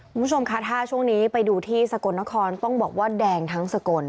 คุณผู้ชมค่ะถ้าช่วงนี้ไปดูที่สกลนครต้องบอกว่าแดงทั้งสกล